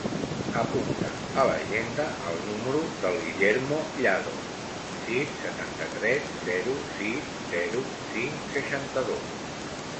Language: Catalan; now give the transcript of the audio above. Apunta a l'agenda el número del Guillermo Llado: sis, setanta-tres, zero, sis, zero, cinc, seixanta-dos.